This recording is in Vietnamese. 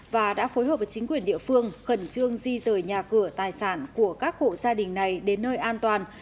và đã phối hợp với chính quyền địa phương khẩn trương di rời nhà cửa tài sản của các hộ gia đình này đến nơi an toàn